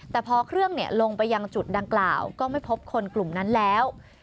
แต่พอเครื่องลงไปยังจุดดังกล่าวก็ไม่พบคนกลุ่มนั้นแล้ว